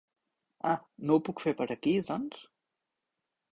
Ah no ho puc fer per aquí doncs?